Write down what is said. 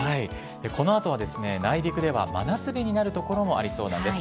このあとは、内陸では真夏日になる所もありそうなんです。